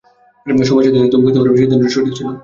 সময়ের সাথে সাথে তুমি বুঝতে পারবে সিদ্ধান্তটি সঠিক ছিল।